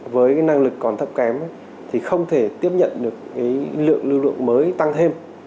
với năng lực còn thấp kém thì không thể tiếp nhận được lượng lưu lượng mới tăng thêm